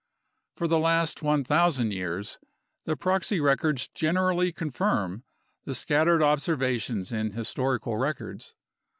For the last 1000 years, the proxy records generally confirm the scattered observations in historical records.